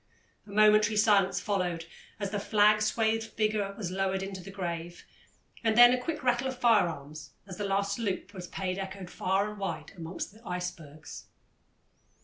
A momentary silence followed as the flag swathed figure was lowered into the grave, and then a quick rattle of firearms as the last salute was paid echoed far and wide among the icebergs.